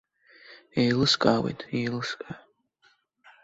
Еилыскаауеит, еилыскаа.